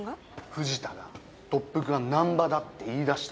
藤田が特服が難破だって言いだしたんだって。